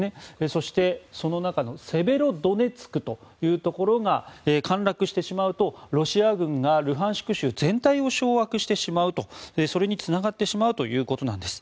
そして、その中のセベロドネツクというところが陥落してしまうとロシア軍がルハンシク州の全体を掌握してしまうそれにつながってしまうということなんです。